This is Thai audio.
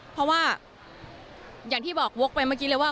เพราะว่าอย่างที่บอกวกไปเมื่อกี้เลยว่า